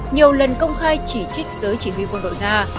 nhiều lần công khai chỉ trích giới chỉ huy quân đội nga